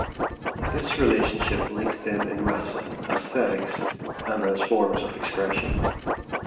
This relationship links them in "rasa" (aesthetics) and as forms of expression.